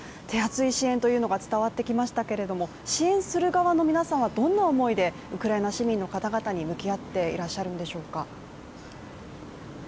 手厚い支援というのが伝わってきましたけれども支援する側の皆さんはどんな思いでウクライナ市民の方々に向き合ってらっしゃるんでしょうか。